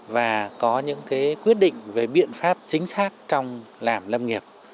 và có những quyết định về biện pháp chính xác trong làm lâm nghiệp